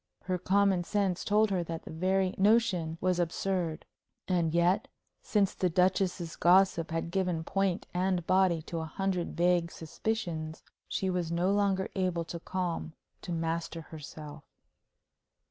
Her common sense told her that the very notion was absurd. And yet, since the Duchess's gossip had given point and body to a hundred vague suspicions, she was no longer able to calm, to master herself.